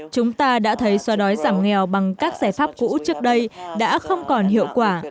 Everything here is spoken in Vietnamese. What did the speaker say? chúng ta đã thấy xóa đói giảm nghèo bằng các giải pháp cũ trước đây đã không còn hiệu quả